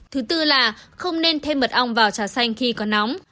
thứ tư là không nên thêm mật ong vào trà xanh khi có nóng